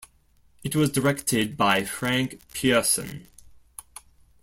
It was directed by Frank Pierson.